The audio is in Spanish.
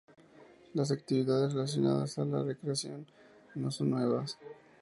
Las actividades relacionadas a la "recreación" no son nuevas.